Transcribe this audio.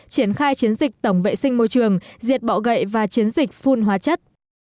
triển khai chiến dịch tổng vệ sinh môi trường diệt bọ gậy và chiến dịch phun hóa chất